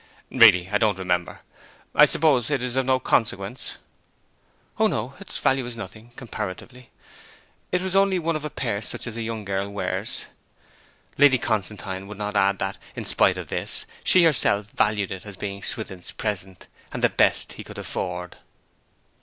'Really, I don't remember. I suppose it is of no consequence?' 'O no; its value is nothing, comparatively. It was only one of a pair such as young girls wear.' Lady Constantine could not add that, in spite of this, she herself valued it as being Swithin's present, and the best he could afford.